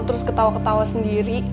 terus ketawa ketawa sendiri